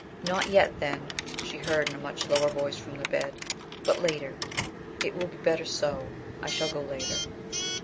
"Not yet, then," she heard in a much lower voice from the bed, "but later. It will be better so... I shall go later...."